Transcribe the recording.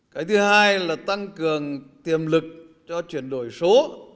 cái thứ hai là tăng cường tiềm lực cho chuyển đổi số